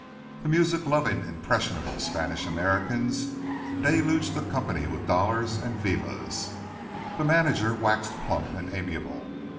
The music loving, impressionable Spanish Americans deluged the company with dollars and "vivas." The manager waxed plump and amiable.